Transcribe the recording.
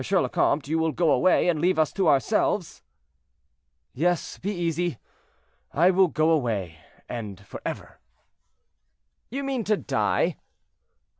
le Comte, you will go away, and leave us to ourselves?" "Yes, be easy; I will go away, and forever." "You mean to die?"